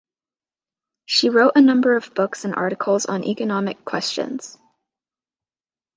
She wrote a number of books and articles on economic questions.